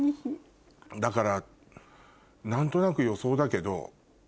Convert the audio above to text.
だから何となく予想だけど。